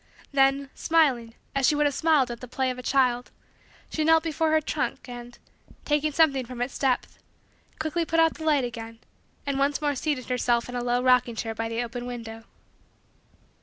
Then, smiling as she would have smiled at the play of a child, she knelt before her trunk and, taking something from its depth, quickly put out the light again and once more seated herself in a low rocking chair by the open window.